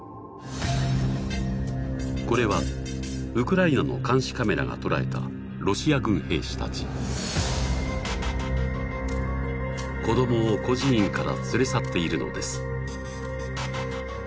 これはウクライナの監視カメラが捉えたロシア軍兵士たち子どもを孤児院から連れ去っているのです